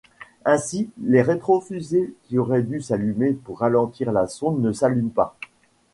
Ainsi, les rétrofusées qui auraient dû s'allumer pour ralentir la sonde ne s'allument pas.